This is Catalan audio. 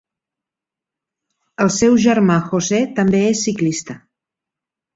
El seu germà José també és ciclista.